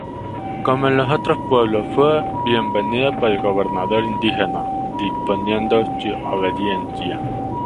Como en los otros pueblos, fue bienvenido por el gobernador indígena, disponiendo su obediencia.